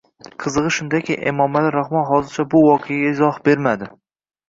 Qizig'i shundaki, Emomali Rahmon hozircha bu voqeaga izoh bermadi